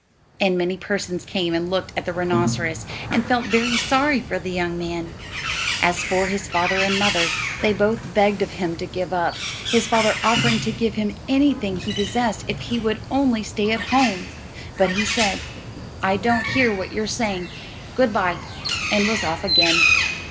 And many persons came and looked at the rhinoceros, and felt very sorry for the young man. As for his father and mother, they both begged of him to give up, his father offering to give him anything he possessed if he would only stay at home. But he said, "I don't hear what you are saying; good bye," and was off again.